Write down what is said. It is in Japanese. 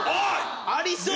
ありそう！